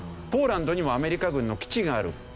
ポーランドにもアメリカ軍の基地がある。